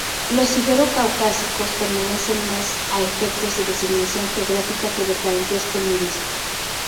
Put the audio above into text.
Los ibero-caucásicos permanecen más a efectos de designación geográfica que de parentesco lingüístico.